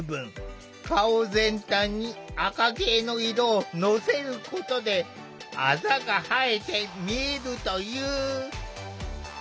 顔全体に赤系の色をのせることであざが映えて見えるという。